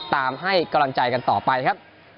ให้กำลังใจกันต่อไปครับ